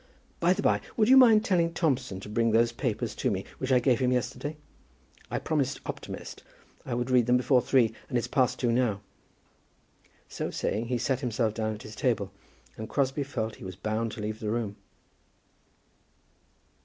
By the by, would you mind telling Thompson to bring those papers to me which I gave him yesterday? I promised Optimist I would read them before three, and it's past two now." So saying he sat himself down at his table, and Crosbie felt that he was bound to leave the room.